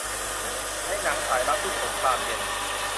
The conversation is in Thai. ในหนังสายลับยุคสงครามเย็น